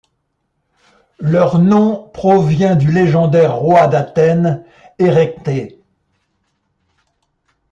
Leur nom provient du légendaire roi d'Athènes Érechthée.